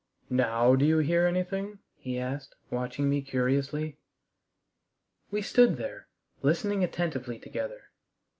"Now do you hear anything?" he asked, watching me curiously. We stood there, listening attentively together.